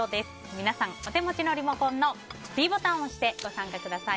皆さん、お手持ちのリモコンのｄボタンを押して投票にご参加ください。